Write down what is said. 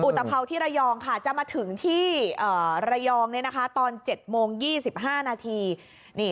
ตภาวที่ระยองค่ะจะมาถึงที่ระยองตอน๗โมง๒๕นาที